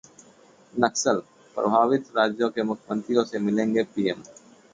नक्सल: प्रभावित राज्यों के मुख्यमंत्रियों से मिलेंगे पीएम